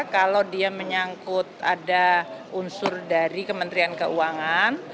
kalau dia menyangkut ada unsur dari kementerian keuangan